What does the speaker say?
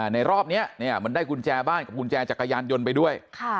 ในรอบนี้มันได้กุญแจบ้านกับกุญแจจักรยานยนต์ไปด้วย